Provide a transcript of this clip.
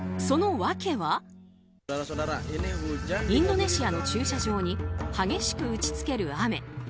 インドネシアの駐車場に激しく打ち付ける雨。